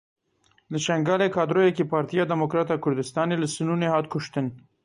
Li Şengalê kadroyekî Partiya Demokrata Kurdistanê li Sinûnê hat kuştin.